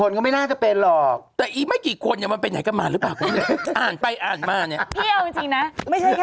ช่วงนี้ก็คือใส่แมสสำหรับกันกับเพชร